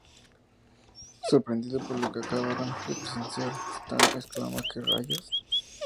Sorprendido por lo que acababan de presenciar, Stan exclama "¿Que rayos?